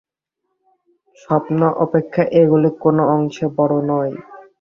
স্বপ্ন অপেক্ষা এগুলি কোন অংশে বড় নয়।